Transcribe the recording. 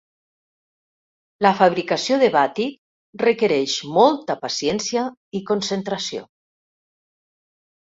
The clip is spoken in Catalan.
La fabricació de bàtik requereix molta paciència i concentració.